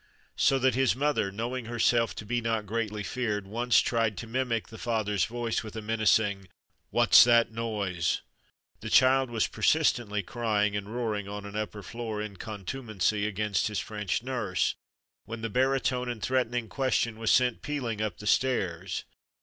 So that his mother, knowing herself to be not greatly feared, once tried to mimic the father's voice with a menacing, "What's that noise?" The child was persistently crying and roaring on an upper floor, in contumacy against his French nurse, when the baritone and threatening question was sent pealing up the stairs.